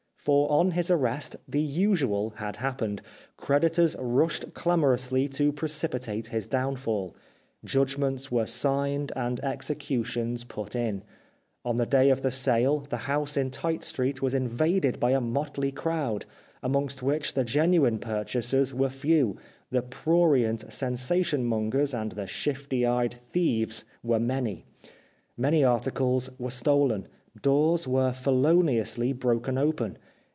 For on his arrest the usual had happened. Creditors rushed clamor ously to precipitate his downfall. Judgments were " signed," and executions " put in." On the day of the sale the house in Tite Street was invaded by a motley crowd, amongst which the genuine purchasers were few, the prurient sensation mongers and the shifty eyed thieves were many. Many articles were stolen ; doors were feloniously broken open.